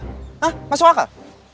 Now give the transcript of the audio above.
hah masuk akal